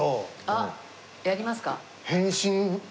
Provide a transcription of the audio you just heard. あっやりますか？